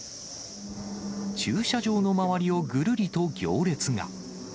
駐車場の周りをぐるりと行列が。